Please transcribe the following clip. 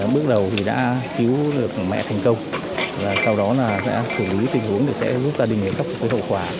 bước đầu thì đã cứu được một mẹ thành công sau đó đã xử lý tình huống để giúp gia đình khắc phục hậu quả